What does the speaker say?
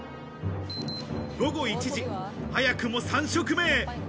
午後１時、早くも３食目へ。